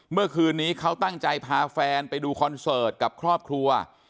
เมื่อคืนนี้เขาตั้งใจพาแฟนไปดูคอนเสิร์ตกับครอบครัว